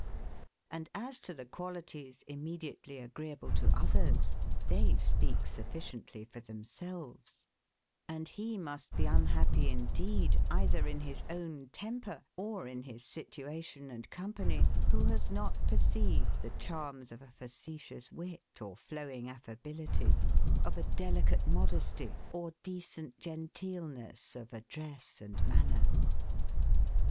And as to the qualities, immediately AGREEABLE to OTHERS, they speak sufficiently for themselves; and he must be unhappy, indeed, either in his own temper, or in his situation and company, who has never perceived the charms of a facetious wit or flowing affability, of a delicate modesty or decent genteelness of address and manner.